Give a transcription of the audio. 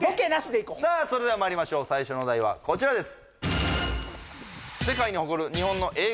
さあそれではまいりましょう最初のお題はこちらです